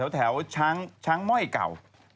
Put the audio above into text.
แถวช้างม่อยเก่า